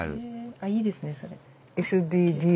あいいですねそれ。